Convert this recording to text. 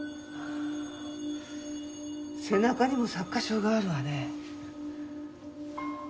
背中にも擦過傷があるわね。